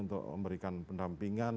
untuk memberikan pendampingan